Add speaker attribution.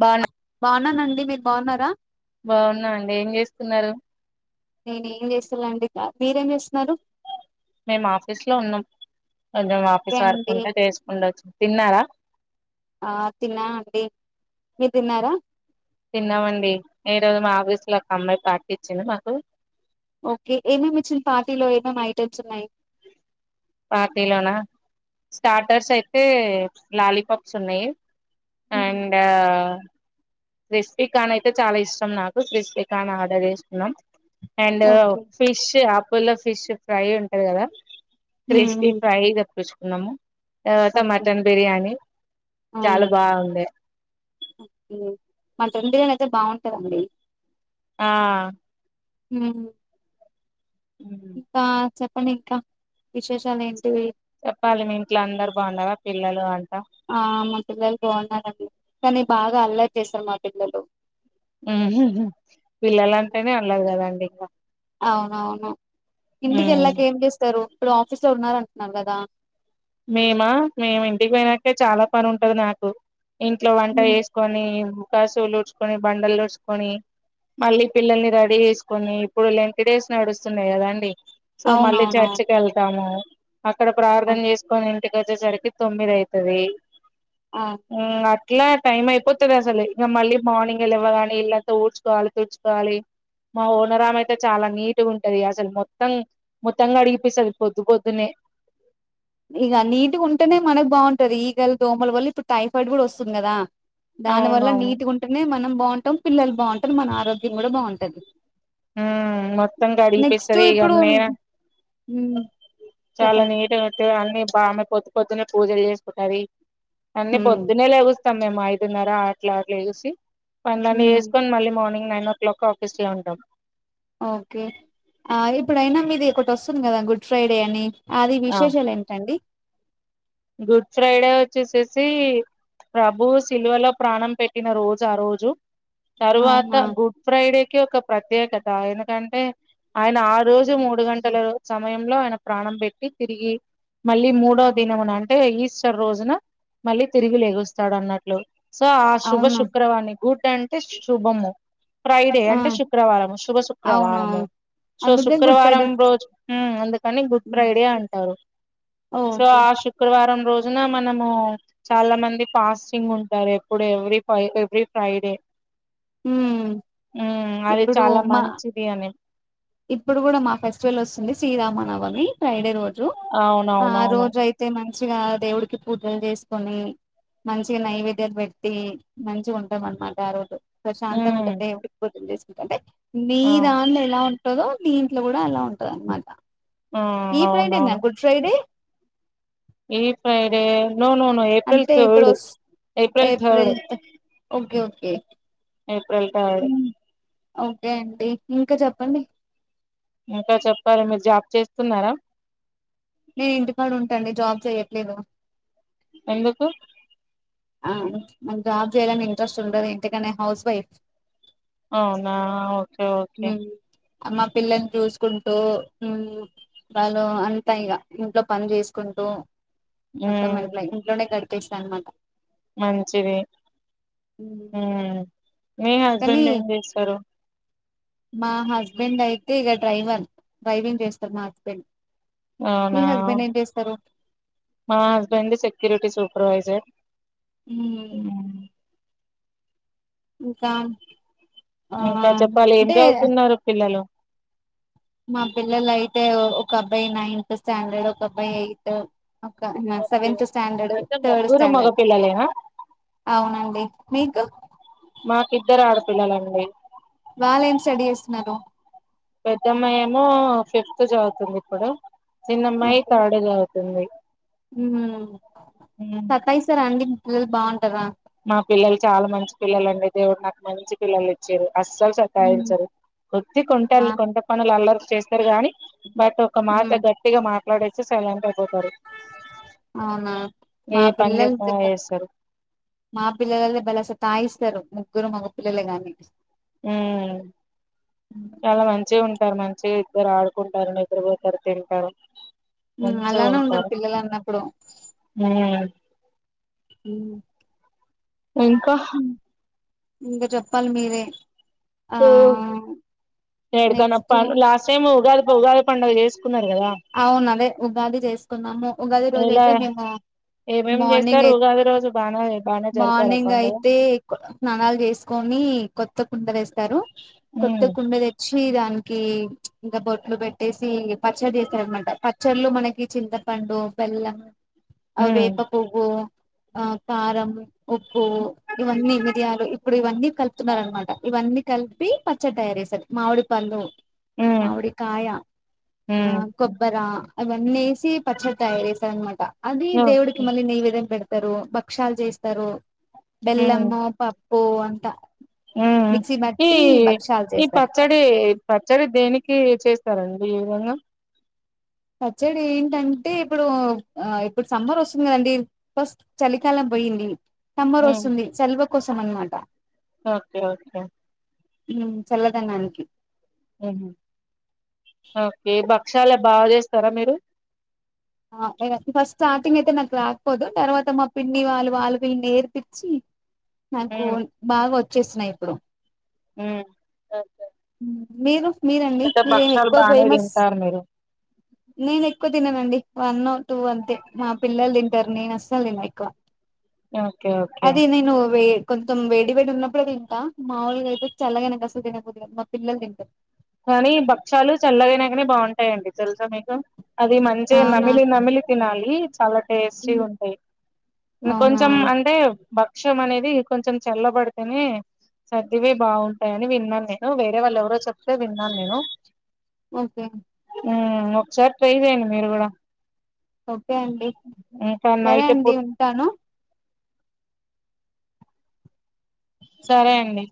Speaker 1: భాను
Speaker 2: బాగున్నానండి మీరు బాగున్నారా
Speaker 1: బాగున్నా అండి ఏం చేస్తున్నారు
Speaker 2: నేను ఏం చేస్తలండి ఇకా మీరేం చేస్తున్నారు
Speaker 1: మేం ఆఫీస్ లో ఉన్నాం కొంచెం
Speaker 2: ఓకే
Speaker 1: ఆఫీస్ వరకు
Speaker 2: అండి
Speaker 1: ఉంటే తెసుకుం వచ్చ తిన్నారా
Speaker 2: ఆ తిన్నా అండి మీరు తిన్నారా
Speaker 1: తిన్నామండి ఏ రోజు మా ఆఫీస్ సలు ఒక అమ్మాయి పార్టీ ఇచ్చింది మాకు
Speaker 2: ఓకే ఏం ఏం ఇచ్చింది పార్టీలో ఏమేం ఐటమ్స్ ఉన్నాయి
Speaker 1: పార్టీలోనా స్టార్టర్స్ అయితే లాలీపాప్స్ ఉన్నాయి
Speaker 2: హ్మ్.
Speaker 1: అండ్ ఆ క్రిస్పీ కాన్ అయితే చాలా ఇష్టం నాకు క్రిస్పీ కాన్ ఆర్డర్ చేసుకున్నాం అండ్
Speaker 2: ఓకే
Speaker 1: ఫిష్ ఆప్ పుల్ల ఫిష్ ఫ్రై ఉంటది కదా
Speaker 2: హ్మ్.
Speaker 1: క్రిస్ప్
Speaker 2: హ్మ్.
Speaker 1: ప్రయి తెపిచ్ న్నాము తర్వాత
Speaker 2: ఓకే
Speaker 1: మటన్ బిర్యానీ చాలా బాగుండె
Speaker 2: మన తండర అయితే బాగుంటదండి
Speaker 1: ఆ
Speaker 2: ఉమ్ ఇంకా చెప్పండి ఇంకా విశేషాలు ఏంటివి
Speaker 1: చెప్పాలి మీ ఇంట్లో అందరు బాగున్నారా పిల్లలు అంతా
Speaker 2: ఆ మా పిల్లలు బాగున్నరండి కానీ బాగా అల్లరి చేస్తారు మా పిల్లలు
Speaker 1: ఉహు పిల్లలంటేనే అల్లరి కదండి అ
Speaker 2: అవునవును ఇంటికి ఏళ్ళాక ఏం చేస్తారు ఇపుడు ఆఫీస్ లో ఎవరో ఉన్నార్ అంటున్నారు కదా.
Speaker 1: మేమా మేము ఇంటికి పోయినాకే చాలా పని ఉంటది నాకు. ఇంట్లో వంట
Speaker 2: హ్మ్.
Speaker 1: చేసుకొనీ. కశువులు ఊడ్చుకొని బండలు ఊడ్చుకొనీ, మళ్ళీ పిల్లల్ని రెడీ చేసుకొనీ, ఇప్పుడు లెంటి డేస్ నడుస్తున్నాయి గదా అండి. సో మళ్ళీ
Speaker 2: అవునవునవును
Speaker 1: చర్చికెళ్తామూ. అక్కడ
Speaker 2: ఆ
Speaker 1: ప్రార్థన చేస్ ఇంటికొచ్చేసరికి తొమ్మిది అయితదీ.
Speaker 2: ఆ!
Speaker 1: ఊ అట్ ఇలా టైమ్ అయిపోతది అసలు ఇగ మళ్ళీ మార్నింగే లెవ్వగానే ఇల్లంత ఊడ్చుకోవాలి తుడ్చుకోవాలీ. మా ఓనరామయితే చాలా నీట్గ ఉంటదీ అసలు మొత్తం మొత్తం కడిగిపిస్తది పొద్దు పొద్దునే.
Speaker 2: ఇగా నీట్గ ఉంటనే మనకు బాగుంటది ఈగల్ దోమల్ వల్ల ఇప్పుడు టైఫాయిడ్ గూడ వస్తుంది గదా. దాని వల్ల
Speaker 1: అవునవును
Speaker 2: నీట్గ ఉంటనే మనం. బావుంటం పిల్లలు బావుంటరు మన ఆరోగ్యం గూడ బావుంటది.
Speaker 1: ఆ మొత్తం కడిగి పిస్తది ఇగ నేనా
Speaker 2: హ్మ
Speaker 1: చాలా నీట్గ్ గా అన్ని బామె పొద్తు పొద్దునే పూజల్ చేసుకుంటదీ. అన్నీ
Speaker 2: మ్మ్
Speaker 1: పొద్దున్నే లెగుస్తం మేమయిత్ తిన్నారా అట్లా అట్ల చేసి పనలన్నీ
Speaker 2: మ్మ్
Speaker 1: చేసుకొన్ మళ్ళీ morning nine o'clock office లో ఉంటం.
Speaker 2: ఓకే ఆ ఇప్పుడయినా మీది ఒకటొస్తుంది కదా గుడ్ ఫ్రైడే అనీ. ఆది
Speaker 1: ఆ
Speaker 2: విశేషాల్ ఏంటండి.
Speaker 1: గుడ్ ఫ్రైడే వచ్చేసేసీ, ప్రభు సిల్వలో ప్రాణం పెట్టిన రోజు ఆ రోజు. తరువాత
Speaker 2: అవునా
Speaker 1: గుడ్ ఫ్రైడేకి ఒక ప్రత్యేకత్ తా ఎందుకంటే. ఆయన ఆ రోజు మూడు గంట్ టలు సమయంలో ఆయన ప్రాణం పెట్టి తిరిగీ, మళ్ళీ మూడో దినం నాడ్ అంటే ఈస్టర్ రోజున, మళ్ళీ తిరిగి లేగుస్తాడు అన్నట్లు. సో ఆ శుభ
Speaker 2: అవును
Speaker 1: శుక్రవారిని గుడ్ టన్ టే శుభము. ఫ్రైడే
Speaker 2: ఆ
Speaker 1: అంటే శుక్రవారము శుభ శుక్రవారము.
Speaker 2: అవునవును
Speaker 1: సో
Speaker 2: అందుకే గుడ్
Speaker 1: శుక్రవారం
Speaker 2: ఫ్రైడే
Speaker 1: రోజు ఉమ్ అందుకని గుడ్ ఫ్రైడే అంటారు. సో
Speaker 2: ఓకే
Speaker 1: ఆ శుక్ వారం రోజున మనమూ, చాలా మంది ఫాస్టింగ్ ఉంటారెప్పుడు ఎవ్రీ ఫై ఎవ్రీ ఫ్రైడే.
Speaker 2: మ్మ్
Speaker 1: ఉ అది
Speaker 2: ఇప్పుడు
Speaker 1: చాలా
Speaker 2: మా
Speaker 1: మంచిది అని
Speaker 2: ఇప్పుడు కూడా మా ఫెస్టివల్ వస్తుంది శ్రీరామనవమి ఫ్రైడే రోడ్ ఆ
Speaker 1: అవునవునవును
Speaker 2: రోజ అయితే మ మంచిగా దేవుడికి పూజలు చేసుకొని మంచిగా నైవేద్యాలు పెట్టి మంచిగా ఉంటాం అనమాట ఆ రోజు శాంతంగా
Speaker 1: ఉమ్
Speaker 2: ఉంటుంది ఎడికిపోతుంది ఏంటి మీ
Speaker 1: ఆ
Speaker 2: దాన్ లేలా ఉ ఉంటదో దీంట్లో కూడా అలా ఉంటదన్న మాట
Speaker 1: ఆ
Speaker 2: ఈ ఫ్రైడేనా గుడ్ ఫ్రైడే
Speaker 1: ఏ ఫైరే నో నో నో ఏప్రిల్
Speaker 2: అంటే ఇప్పుడు
Speaker 1: థర్డ్
Speaker 2: వస్
Speaker 1: April third
Speaker 2: okay okay
Speaker 1: April third
Speaker 2: okay అండి ఇంకా చెప్పండి
Speaker 1: ఇంకా చెప్పాలి మీరు జాబ్ చేస్తున్నారా
Speaker 2: నేను ఇంటి కాడ ఉంటండి జాబ్ చెయట్లేదు
Speaker 1: ఎందుకు
Speaker 2: ఆ మ జాబ్ చేయాలని ఇంట్రెస్ట్ ఉండది ఇందుకనే హౌస్ వైఫ్
Speaker 1: అవునా ఓకే ఓకే
Speaker 2: మా పిల్లల్ని చూసుకుంటూ వాళ్ళు అంతా ఇంట్లో పని చేసుకుంటూ అత్తమ్మ ఇంట్లో ఇంట్లోనే గాడిప చేస్తానమాట
Speaker 1: మంచింది ఉ మీ
Speaker 2: కానీ
Speaker 1: హస్బెండ్ ఏం చేస్తారు
Speaker 2: మా హస్బెండ్ అయితే ఇక డ్రైవర్ డ్రైవింగ్ చేస్తారు మా హస్బెండ్ మీ
Speaker 1: అవునా
Speaker 2: హస్బెండ్ ఏం చేస్తారు
Speaker 1: మా హస్బెండ్ సెక్యూరిటీ సూపర్వైజర్
Speaker 2: మ్మ్ ఇంకా ఆ
Speaker 1: ఇంకా చెప్పాలి ఏం
Speaker 2: అంటే
Speaker 1: చదువుతున్నారు పిల్లలు
Speaker 2: మా పిల్లలయితే ఓ ఒకబ్బాయి నైన్త్ స్టాండర్డ్ ఒకబ్బాయి ఎయిత్
Speaker 1: ఓకే
Speaker 2: సెవెంత్ స్టాండర్డ్
Speaker 1: అయితే
Speaker 2: థర్డ్
Speaker 1: ముగ్గురు మగ
Speaker 2: స్టాండర్డ్
Speaker 1: పిల్లలేనా
Speaker 2: అవునండి మీకు
Speaker 1: మాకిద్దరు ఆడపిల్లలండి
Speaker 2: వాళ్లు ఏం స్టడీ చేస్తున్నారు
Speaker 1: పెద్దమ్మయి ఏమో ఫిఫ్త్ చదువుతుంది ఇప్పుడు చిన్న అమ్మాయి
Speaker 2: ఓకే
Speaker 1: థర్డ్ చదువు ఉంది.
Speaker 2: సతాయిస్తారా అండి మీది బాగుంటదా
Speaker 1: మా పిల్లలు చాలా మంచి పిల్లలండి దేవుడు నాకు మంచి పిల్లలు ఇచ్చిర్రు అస్సలు
Speaker 2: ఉమ్
Speaker 1: సతాఇంచరు కొద్తి కొంట
Speaker 2: మా
Speaker 1: కొంట పనులు అల్లర్ చేస్తారు గాని బట్ ఒక మాట
Speaker 2: ఉమ్
Speaker 1: గట్టిగా మాట్ సైలెంట్ అయిపో తరు
Speaker 2: అవునా
Speaker 1: ఏ
Speaker 2: మా
Speaker 1: పని
Speaker 2: పిల్లలు
Speaker 1: చెపూ చేస్తారు
Speaker 2: మా పిల్లలైతే బలే సతాయిస్తరు ముగ్గురు మొగ పిల్లలే గాని
Speaker 1: మ్ చాలా మంచి ఉం టర్ మంచిగా ఇద్దరు ఆడుకుంటరు, నిద్రపోతరు, తింటరు.
Speaker 2: అలానే ఉండలి పిల్లలన్నప్పుడు
Speaker 1: ఉమ్
Speaker 2: ఊ
Speaker 1: ఇంకా
Speaker 2: ఇంకా చెప్పాలి మీరే ఆ
Speaker 1: ఊ ఎడుకనప్ప
Speaker 2: నెక్స్ట్
Speaker 1: లాస్ట్ టైమ్ ఉగా ఉగాది పండగ చేస్
Speaker 2: అవున్ అదే ఉగాది చేసుకున్నాము. ఉగాది రోజు
Speaker 1: ఎలా
Speaker 2: అయితే మేము
Speaker 1: ఏమేమి
Speaker 2: మార్నింగ్
Speaker 1: చేస్తారు
Speaker 2: అయి
Speaker 1: ఉగాది రోజు బాగా బాగానే జరిపారా
Speaker 2: మార్నింగ్
Speaker 1: పండుగ
Speaker 2: అయితే స్నానాలు చేసుకొని కొత్త కుండ తెస్ పారు కొత్త
Speaker 1: ఉమ్
Speaker 2: కుండ తెచ్ పీ దానికి ఇంక బొట్లు పెట్టేసి పచ్చడి అనమాట పచ్చళ్ళు మనకి చింతపండు బెల్లం అ
Speaker 1: ఉమ్
Speaker 2: వేప పువ్వు ఆ కారము ఉప్పు ఇవన్నీ మిరియాలు ఇప్పుడు ఇవన్నీ కలుపుతున్నారన్నమాట ఇవన్నీ కలిపి పచ్చడి తయారు చేస్తరు. మామిడి పళ్ళు
Speaker 1: ఉమ్
Speaker 2: మామిడి కాయ ఆ
Speaker 1: ఉమ్
Speaker 2: కొబ్బరా అవన్నీ ఏస్ తీ పచ్చడ తయారుచేస్తరన్నమాట అది దేవుడికి
Speaker 1: ఓకే.
Speaker 2: మళ్ళీ నైవేద్యం పెడ్ ఇస్తారు భక్షాల్ చేస్తరు. బెల్లము పప్ ఓ అంత
Speaker 1: హుమ్మ్ ఈ ఇ
Speaker 2: చేస్తారు
Speaker 1: పచ్చడి పచ్చడి దేనికి చేస్తారండి పొంగ
Speaker 2: పచ్చడి ఏంటంటే ఇప్పుడు ఆ ఇప్పుడు సమ్మర్ వస్తుంది కదండి ఫస్ట్ చలికాలం పోయింది సమ్మర్
Speaker 1: ఉమ్
Speaker 2: ఒస్తుంది సెల్వకోసం అనమాట
Speaker 1: ఓకే ఓకే
Speaker 2: మ్ చల్లదనానికి
Speaker 1: మ్ ఓకే బక్ చాలా బాగా చేస్తారా మీరు
Speaker 2: టింగ్ అయితే నాకు రాకపోదు తర్వాత మా పిన్నీ వాళ్ళు వాళ్ళకి నేర్పిచ్చి నాకు బాగోచ్ చేస్తున్నా ఇప్పుడు
Speaker 1: మ్ ఓకే
Speaker 2: మీరు మీరండి
Speaker 1: అయితే
Speaker 2: మీరేమి
Speaker 1: భక్షాలు
Speaker 2: ఎక్కువ
Speaker 1: బాగానే
Speaker 2: ఫేమస్
Speaker 1: తింటారు మీరు
Speaker 2: నేను ఎక్కువ తిననండి వన్ టూ అంతే మా పిల్లలు తింటారు నేను అస్సల తిన ఎక్కువ
Speaker 1: ఓకే ఓకే
Speaker 2: అది నేను వే కొంచెం వేడి వేడి ఉన్నప్పుడే తింట మాముూలుగా అయితే చల్లగైనాక అస్సలు తినబుద్ది కాదు పిల్లలు తింటారు
Speaker 1: కానీ భక్షాలు చల్లగైనాకనే బాగుం ఎ అండి తెలుసా మీకు అది మంచిగా
Speaker 2: అవునా
Speaker 1: నమిలి నమిలి తినాలి చల్ల టేస్టీగుంటాయి
Speaker 2: అవునా
Speaker 1: కొంచెం అంటే బ భక్షం అనేది కొంచెం చల్లబడితేనే చదిపోయి బాగుంటాయని విన్నాను నేను వేరే వాళ్ళు ఎవరో చెప్ విన్నాను నేను
Speaker 2: ఓకే
Speaker 1: ఒకసారి ట్రై చెయండి మీరు కూడా
Speaker 2: ఓకే అండి
Speaker 1: ఇంకా
Speaker 2: సరే
Speaker 1: నైట్
Speaker 2: అండి
Speaker 1: పూట
Speaker 2: ఉంటాను
Speaker 1: సరే అండి